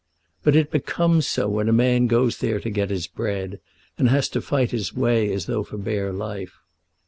But it becomes so when a man goes there to get his bread, and has to fight his way as though for bare life.